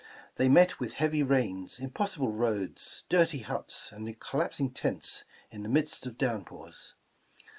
They met with heavy rains, impossible roads, dirty huts and collapsing tents in the midst of downpours.